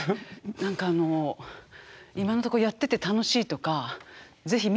何かあの今のとこやってて楽しいとかでしょう？